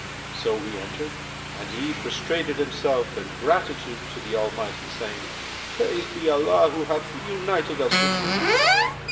So we entered and he prostrated himself in gratitude to the Almighty, saying, 'Praised be Allah who hath reunited us with thee!'